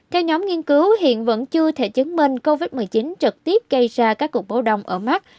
theo nhóm nghiên cứu hiện vẫn chưa thể chứng minh covid một mươi chín trực tiếp gây ra các cuộc bổ đồng ở mắt